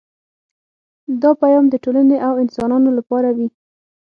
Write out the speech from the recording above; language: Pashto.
دا پیام د ټولنې او انسانانو لپاره وي